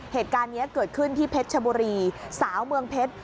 เหตุการณ์นี้เกิดขึ้นที่เพชรชบุรีสาวเมืองเพชร